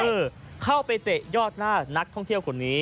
เออเข้าไปเตะยอดหน้านักท่องเที่ยวคนนี้